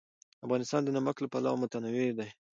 افغانستان د نمک له پلوه متنوع دی.